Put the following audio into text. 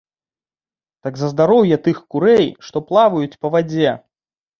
Так за здароўе тых курэй, што плаваюць па вадзе.